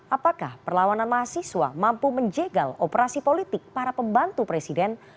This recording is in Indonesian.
apakah perlawanan mahasiswa mampu menjegal operasi politik para pembantu presiden